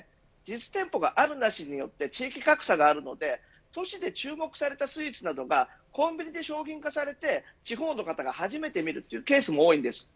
実店舗があるなしによって地域格差があるので注目されたスイーツなどがコンビニで商品化されて地方の人が初めて見るケースも多いです。